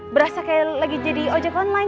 berasa kayak lagi jadi ojek online